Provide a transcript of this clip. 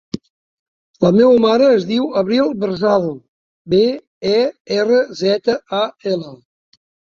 La meva mare es diu Avril Berzal: be, e, erra, zeta, a, ela.